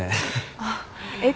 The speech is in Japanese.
あっえっ